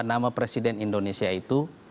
nama presiden indonesia itu